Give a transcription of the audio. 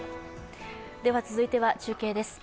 続いては中継です。